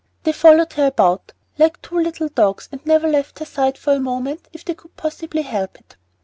They followed her about like two little dogs, and never left her side for a moment if they could possibly help it.